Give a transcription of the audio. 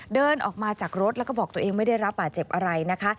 เดินออกมาจากรถแล้วก็บอกตัวเองไม่ได้รับบาดเจ็บอะไรนะคะ